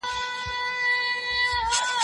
پروسه په ښه ډول پیل سوه.